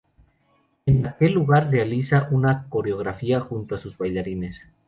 En aquel lugar realiza una coreografía junto a sus bailarines.